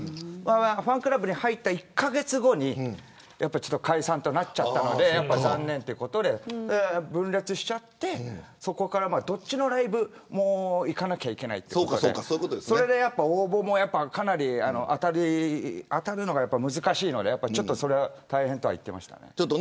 ファンクラブに入った１カ月後に解散となっちゃったので残念ということで分裂しちゃってそこからどっちのライブも行かなきゃいけないので応募もかなり当たるのが難しいのでそれが大変とは言ってました。